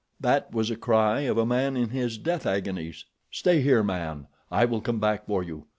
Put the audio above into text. that was the cry of a man in his death agonies. Stay here man—I will come back for you.